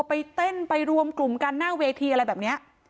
ไปเต้นไปรวมกลุ่มกันหน้าเวทีอะไรแบบนี้